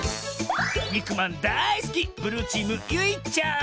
にくまんだいすきブルーチームゆいちゃん。